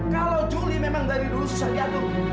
kalau juli memang dari dulu susah jatuh